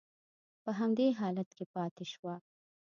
په همدې حالت کې پاتې شوه.